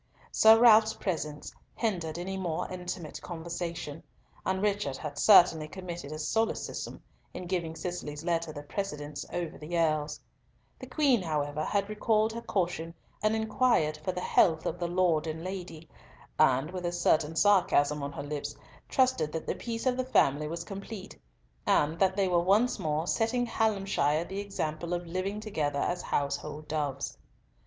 Sir Ralf's presence hindered any more intimate conversation, and Richard had certainly committed a solecism in giving Cicely's letter the precedence over the Earl's. The Queen, however, had recalled her caution, and inquired for the health of the Lord and Lady, and, with a certain sarcasm on her lips, trusted that the peace of the family was complete, and that they were once more setting Hallamshire the example of living together as household doves.